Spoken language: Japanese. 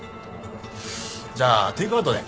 じゃあテイクアウトで。